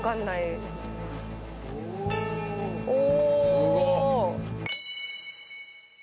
「すごっ！」